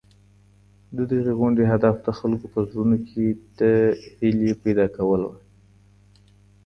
د دغي غونډې هدف د خلکو په زړونو کي د هیلې پیدا کول وو.